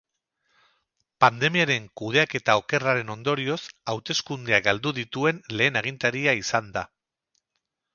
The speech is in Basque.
Pandemiaren kudeaketa okerraren ondorioz, hauteskundeak galdu dituen lehen agintaria izan da.